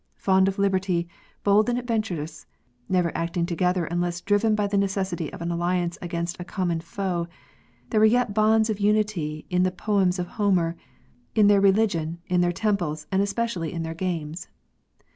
Fond of liberty, bold and adventurous, never acting together unless driven by the necessity of an alliance against a common foe, there were yet bonds of unity in the poems of Homer, in their religion, in their temples, and especially in their games.